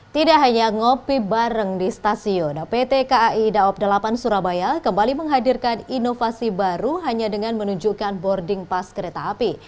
tidak hanya ngopi bareng di stasiun pt kai daob delapan surabaya kembali menghadirkan inovasi baru hanya dengan menunjukkan boarding pass kereta api